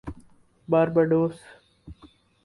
Barbados